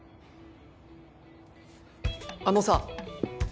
あのさ